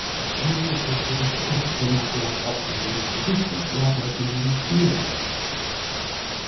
"'—will you enter this carriage, and that without offering the least resistance, without making the least noise?